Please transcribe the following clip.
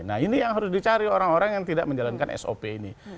nah ini yang harus dicari orang orang yang tidak menjalankan sop ini